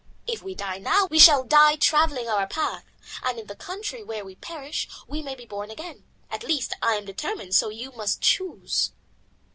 If we die now, we shall die travelling our path, and in the country where we perish we may be born again. At least I am determined, so you must choose."